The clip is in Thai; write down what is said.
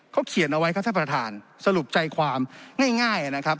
เขาเขียนเอาไว้ครับท่านประธานสรุปใจความง่ายนะครับ